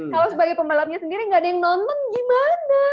kalau sebagai pembalapnya sendiri gak ada yang nonton gimana